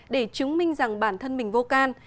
để chứng minh rằng bản thân mình vô can